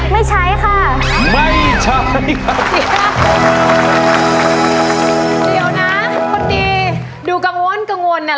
ไม่ใช้ค่ะไม่ใช้ค่ะเดี๋ยวนะคนดีดูกังวลกังวลอ่ะ